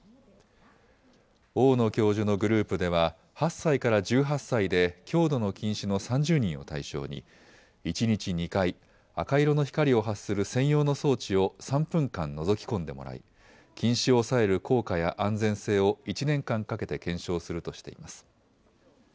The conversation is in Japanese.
大野教授のグループでは８歳から１８歳で強度の近視の３０人を対象に一日２回、赤色の光を発する専用の装置を３分間のぞき込んでもらい近視を抑える効果や安全性を１年間かけて検証するとしています。